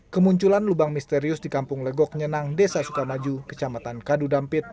kemunculan lubang misterius di kampung legok nyeneng desa sukamaju kecamatan kadu dampit